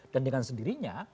dan dengan sendirinya